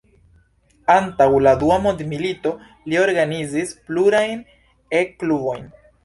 Antaŭ la dua mondmilito li organizis plurajn E-klubojn.